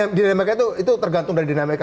oh itu dinamika itu tergantung dari dinamika